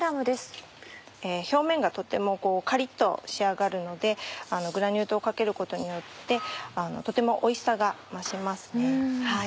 表面がとてもカリっと仕上がるのでグラニュー糖をかけることによってとてもおいしさが増します。